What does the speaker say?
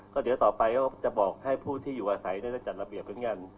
ก็เดี๋ยวต่อไปก็จะบอกให้ผู้ที่อยู่อาศัยได้จัดระเบียบเหมือนกัน